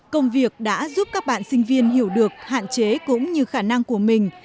công việc đã giúp các bạn sinh viên hiểu được hạn chế cũng như khả năng của mình